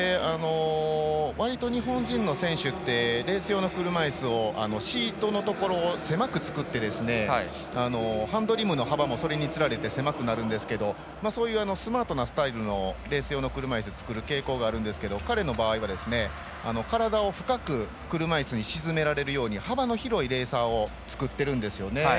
わりと日本人の選手ってレース用の車いすはシートのところを狭く作ってハンドリムの幅もそれにつられて狭くなるんですけどそういうスマートなスタイルのレース用の車いすを作りますが彼の場合は体を深く沈められるように幅の広いレーサーを作っているんですよね。